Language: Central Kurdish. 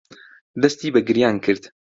دەستی بە گریان کرد.